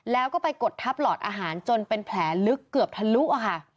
แล้วก็ไปกดทับหลอดอาหารจนเป็นแผลลึกเกือบทะลุค่ะ